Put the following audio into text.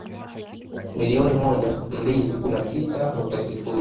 Milioni moja mbili kumi na sita nukta sifuri